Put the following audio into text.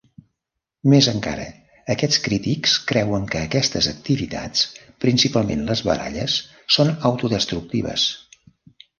Més encara, aquests crítics creuen que aquestes activitats, principalment les baralles, són autodestructives.